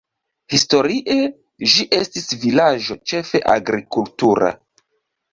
Historie ĝi estis vilaĝo ĉefe agrikultura.